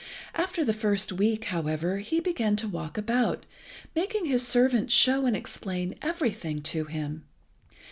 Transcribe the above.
After the first week, however, he began to walk about, making his servant show and explain everything to him.